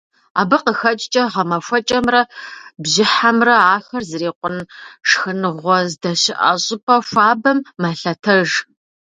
Абы къыхэкӏкӏэ гъэмахуэкӏэмрэ бжьыхьэмрэ ахэр зрикъун шхыныгъуэ здэщыӏэ щӏыпӏэ хуабэм мэлъэтэж.